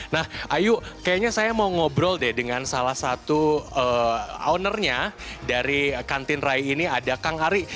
nah ayu kayaknya saya mau ngobrol deh dengan salah satu ownernya dari kantin rai ini ada kang ari